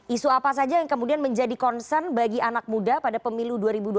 isu apa saja yang kemudian menjadi concern bagi anak muda pada pemilu dua ribu dua puluh